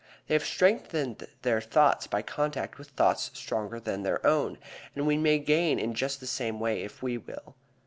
They have strengthened their thoughts by contact with thoughts stronger than their own, and we may gain in just the same way if we will.